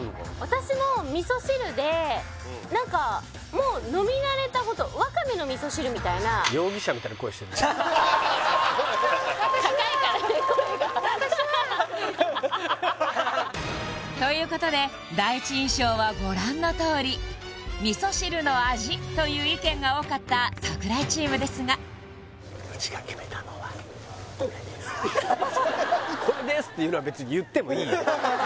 私も味噌汁で何かもうみたいなハハハハハハハ！ということで第一印象はご覧のとおり味噌汁の味という意見が多かった櫻井チームですが「これです」っていうのは別に言ってもいいよ